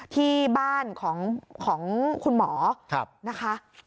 ที่บ้านของคุณหมอนะคะ